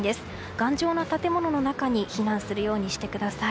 頑丈な建物の中に避難するようにしてください。